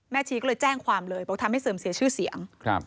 ชีก็เลยแจ้งความเลยบอกทำให้เสื่อมเสียชื่อเสียง